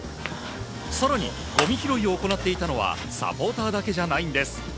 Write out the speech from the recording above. さらに、ごみ拾いを行っていたのはサポーターだけじゃないんです。